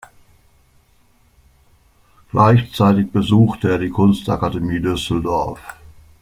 Gleichzeitig besuchte er die Kunstakademie Düsseldorf.